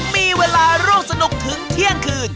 มีเวลาร่วมสนุกถึงเที่ยงคืน